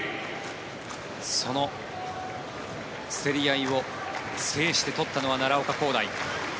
その競り合いを制して取ったのは奈良岡功大。